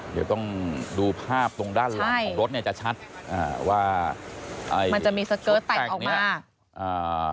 เดี๋ยวต้องดูภาพตรงด้านหลังของรถเนี่ยจะชัดอ่าว่ามันจะมีสเกิร์ตแต่งออกมาอ่า